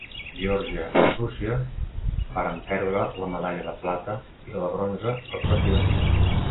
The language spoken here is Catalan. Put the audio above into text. Geòrgia i Rússia varen prendre la medalla de plata i la de bronze, respectivament.